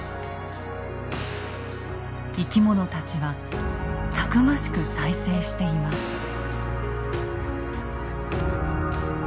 生き物たちはたくましく再生しています。